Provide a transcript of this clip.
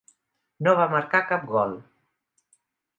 No va marcar cap gol.